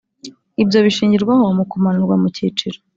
Ibyo bishingirwaho mu kumanurwa mu cyiciro